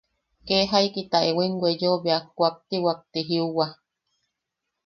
Kee jaiki taewaim weyeo bea kuaktiwak ti jiuwa.